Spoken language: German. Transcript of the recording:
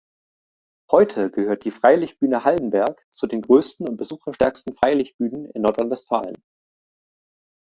Heute gehört die "Freilichtbühne Hallenberg" zu den größten und besucherstärksten Freilichtbühnen in Nordrhein-Westfalen.